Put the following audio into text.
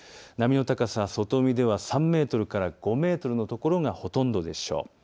波の高さ、外海では３メートルから５メートルの所がほとんどでしょう。